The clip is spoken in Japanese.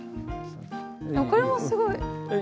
これもすごい。